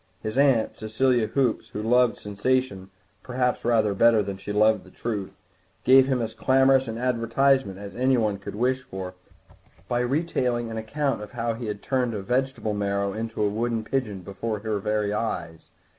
His aunt, Cecilia Hoops, who loved sensation perhaps rather better than she loved the truth, gave him as clamorous an advertisement as anyone could wish for by retailing an account of how he had turned a vegetable marrow into a wood pigeon before her very eyes.